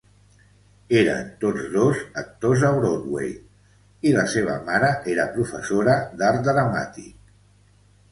Eren tots dos actors a Broadway, i la seva mare era professora d'art dramàtic.